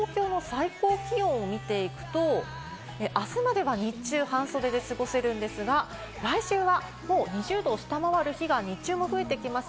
この先、東京の最高気温を見ていくと、明日までは日中、半袖で過ごせるんですが、来週はもう２０度を下回る日が日中も増えてきます。